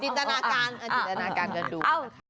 จินตนาการกันดู